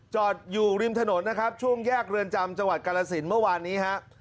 ช่วงแยกเรือนจำจังหวัดกรสินฮะ